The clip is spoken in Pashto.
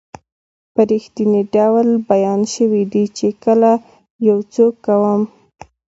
په رښتني ډول بیان شوي دي چې کله یو څوک کوم